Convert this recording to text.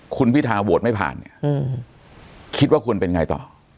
คุณพิทาโหวตไม่ผ่านเนี่ยคิดว่าควรเป็นไงต่อ